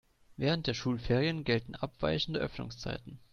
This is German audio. Während der Schulferien gelten abweichende Öffnungszeiten.